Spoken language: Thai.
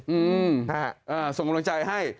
ส่งกำลังใจให้